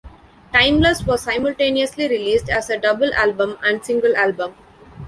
"Timeless" was simultaneously released as a double album and single album.